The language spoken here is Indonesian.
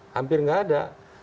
hampir enggak ada